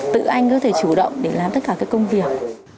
tự anh có thể chủ động để làm tất cả các công việc